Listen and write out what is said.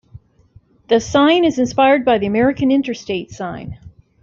The sign is inspired by the American Interstate sign.